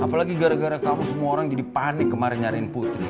apalagi gara gara kamu semua orang jadi panik kemarin nyariin putri